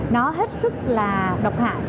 nó hết sức là độc hại